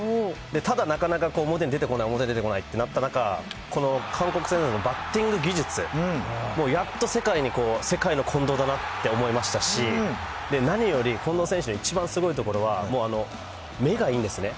ただ、なかなか、表に出てこないってなった中、この韓国戦でのバッティング技術、やっと世界の近藤だなって思いましたし、何より近藤選手の一番すごいところは、目がいいんですね。